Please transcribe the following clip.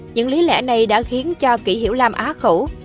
những lý lẽ này đã khiến cho kỷ hiểu lam á khẩu